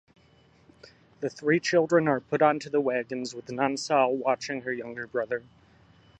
The three children are put onto the wagons, with Nansal watching her younger brother.